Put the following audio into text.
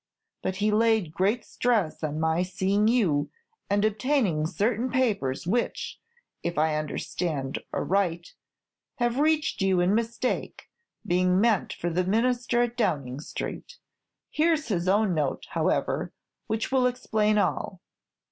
But he laid great stress on my seeing you, and obtaining certain papers which, if I understand aright, have reached you in mistake, being meant for the Minister at Downing Street. Here's his own note, however, which will explain all."